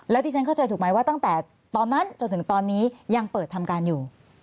แล้วที่ฉันเข้าใจถูกไหมว่าตั้งแต่ตอนนั้นจนถึงตอนนี้ยังเปิดทำการอยู่